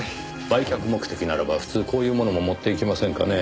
売却目的ならば普通こういうものも持っていきませんかね？